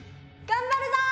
頑張るぞ！